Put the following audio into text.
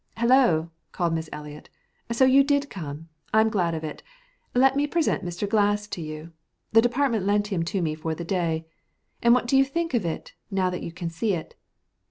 "Hello!" called Miss Eliot. "So you did come. I'm glad of it. Let me present Mr. Glass to you. The department lent him to me for the day. And what do you think of it, now that you can see it?"